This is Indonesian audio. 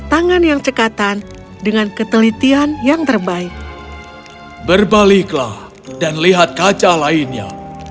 tangan yang cekatan dengan ketelitian yang terbaik berbaliklah dan lihat kaca lainnya